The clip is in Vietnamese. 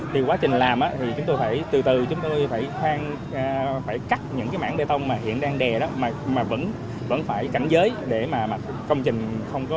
thì quá trình làm thì chúng tôi phải từ từ chúng tôi phải cắt những cái mảng bê tông mà hiện đang đè đó mà vẫn phải cảnh giới để mà công trình không có